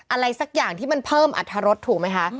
อะไรสักอย่างที่มันเพิ่มอัตรรสถูกไหมคะ